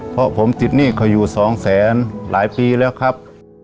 เพราะผมติดหนี้เขาอยู่สองแสนหลายปีแล้วครับ